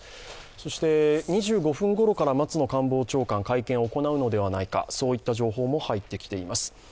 そして２５分ごろから松野官房長官が会見を行うのではないか、そういった情報も入ってきています。